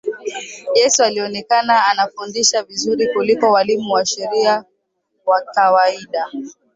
Yesu alionekana anafundisha vizuri kuliko walimu wa sheria wa kawaida